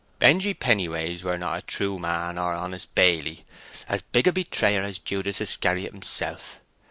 "Benjy Pennyways were not a true man or an honest baily—as big a betrayer as Judas Iscariot himself.